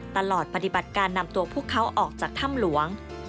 ปฏิบัติการนำตัวพวกเขาออกจากถ้ำหลวง